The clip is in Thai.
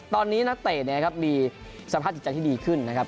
ตอนนี้นาเตะมีสัมภาษณ์จริงที่ดีขึ้นนะครับ